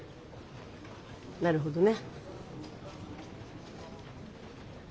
なるほどね。